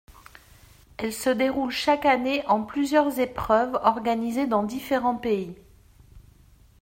Elle se déroule chaque année en plusieurs épreuves organisées dans différents pays.